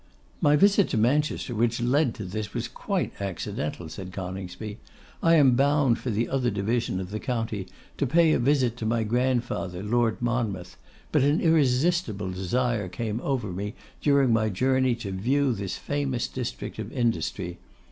'My visit to Manchester, which led to this, was quite accidental,' said Coningsby. 'I am bound for the other division of the county, to pay a visit to my grandfather, Lord Monmouth; but an irresistible desire came over me during my journey to view this famous district of industry.